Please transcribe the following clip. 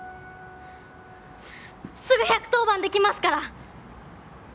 すぐ１１０番できますから！